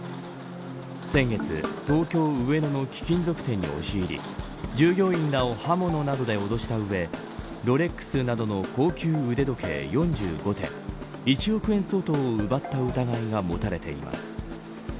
先月、東京、上野の貴金属店に押し入り従業員らを刃物などでおどした上ロレックスなどの高級腕時計４５点１億円相当を奪った疑いが持たれています。